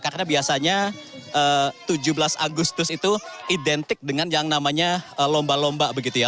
karena biasanya tujuh belas agustus itu identik dengan yang namanya lomba lomba begitu ya